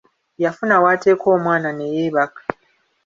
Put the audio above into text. Yafuna waateeka omwana ne yeebaka.